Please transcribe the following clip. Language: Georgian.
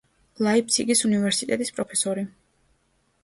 ლაიფციგის უნივერსიტეტის პროფესორი.